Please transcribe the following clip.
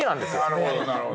なるほどなるほど。